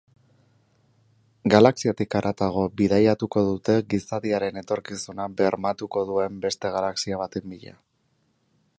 Galaxiatik haratago bidaiatuko dute gizadiaren etorkizuna bermatuko duen beste galaxia baten bila.